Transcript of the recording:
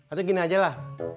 atau gini aja lah